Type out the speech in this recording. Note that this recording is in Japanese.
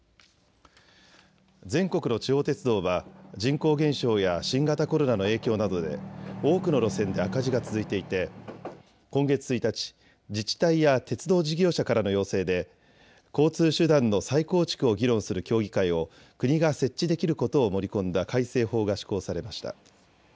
全国の地方鉄道は人口減少や新型コロナの影響などで多くの路線で赤字が続いていて今月１日、自治体や鉄道事業者からの要請で交通手段の再構築を議論する協議会を国が設置できることを盛り込んだ改正法が施行されました。